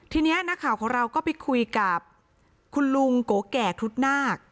ทีนี้นักข่าวของเราก็ไปคุยกับคุณลุงโกแก่ครุฑนาค